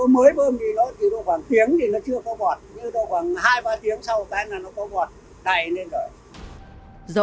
mới bơm thì nó thì khoảng tiếng thì nó chưa có bọt nhưng khoảng hai ba tiếng sau đến là nó có bọt đầy lên rồi